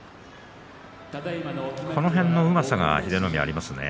この辺のうまさが英乃海はありますね。